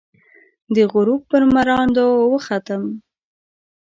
د غروب پر مراندو، وختم